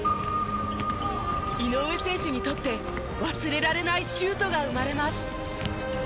井上選手にとって忘れられないシュートが生まれます。